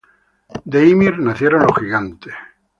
De Ymir nacieron los gigantes.